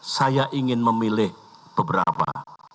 saya ingin memilih beberapa